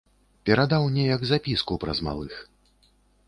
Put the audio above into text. Перадаў неяк запіску праз малых.